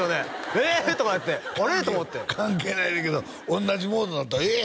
ええっ！？とか言ってあれ？と思って関係ないねんけど同じモードになったええっ！？